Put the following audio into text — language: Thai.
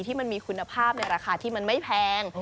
ที่มันมีคุณภาพในราคาที่มันไม่แพง